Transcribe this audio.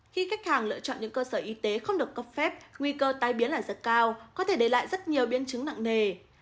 khi khách hàng lựa chọn những cơ sở y tế không được cấp phép nguy cơ tai biến là rất cao có thể để lại rất nhiều biến chứng nặng nề